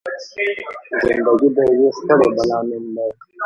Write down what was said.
زنده ګي د يوې ستړې بلا نوم دی.